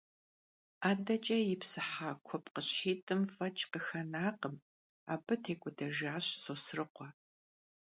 'edeç'e yipsıha kuepkhışhit'ım f'eç' khıxenakhım – abı têk'uedejjaş Sosrıkhue.